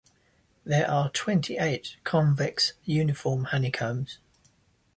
There are twenty-eight convex uniform honeycombs.